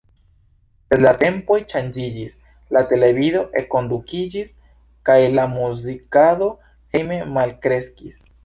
Sed la tempoj ŝanĝiĝis: la televido enkondukiĝis kaj la muzikado hejme malkreskis.